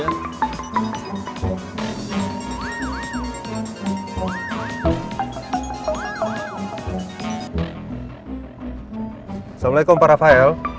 assalammualaikum para vial